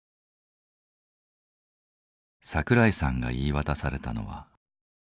桜井さんが言い渡されたのは無期懲役。